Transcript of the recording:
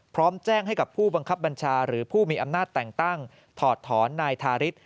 พร้อมแจ้งให้กับผู้บังคับบัญชาหรือผู้มีอำนาจแต่งตั้งถอดถอนนายทาริส